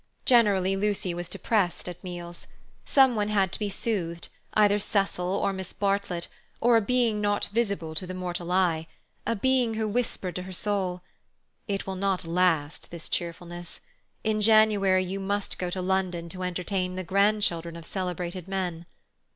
Generally Lucy was depressed at meals. Some one had to be soothed—either Cecil or Miss Bartlett or a Being not visible to the mortal eye—a Being who whispered to her soul: "It will not last, this cheerfulness. In January you must go to London to entertain the grandchildren of celebrated men."